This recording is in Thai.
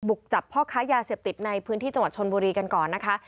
จับพ่อค้ายาเสพติดในพื้นที่จังหวัดชนบุรีกันก่อนนะคะ